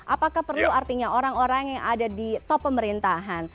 apakah perlu artinya orang orang yang ada di top pemerintahan